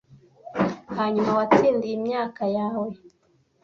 hanyuma Watsindiye imyaka yawe